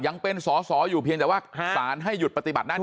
ยังเป็นสอสออยู่เพียงแต่ว่าสารให้หยุดปฏิบัติหน้าที่